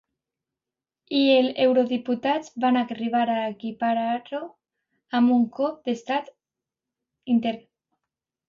I el eurodiputats van arribar a equiparar-ho amb un cop d’estat intern.